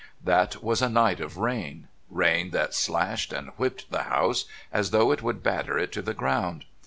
That was a night of rain rain that slashed and whipped the house as though it would batter it to the ground.